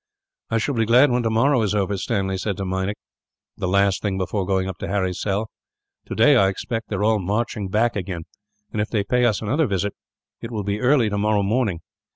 "I shall be glad when tomorrow is over," Stanley said to Meinik, the last thing before going up to Harry's cell. "Today I expect they are all marching back again and, if they pay us another visit, it will be early tomorrow morning.